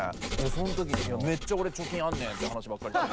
その時に「めっちゃ俺貯金あんねん」って話ばっかりして。